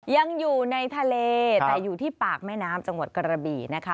ยังอยู่ในทะเลแต่อยู่ที่ปากแม่น้ำจังหวัดกระบี่นะคะ